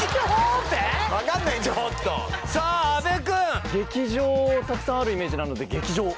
ちょっとさあ阿部君劇場たくさんあるイメージなので劇場！？